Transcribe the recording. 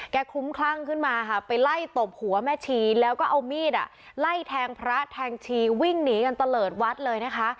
คลุ้มคลั่งขึ้นมาค่ะไปไล่ตบหัวแม่ชีแล้วก็เอามีดไล่แทงพระแทงชีวิ่งหนีกันตะเลิศวัดเลยนะคะ